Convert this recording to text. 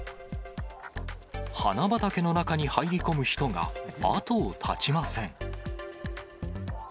花畑の中に入り込む人が後を絶ちません。